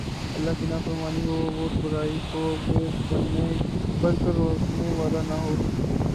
اللہ کی نافرمانی ہو اور برائی کوآگے بڑھ کر روکنے والا نہ ہو